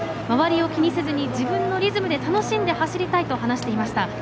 回りを気にせずに自分のリズムで楽しんで走りたいと話していました。